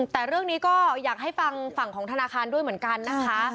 แต่เรื่องนี้ก็อยากให้ฟังฝั่งของธนาคารด้วยเหมือนกันนะคะ